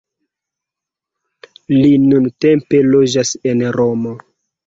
Li nuntempe loĝas en Romo.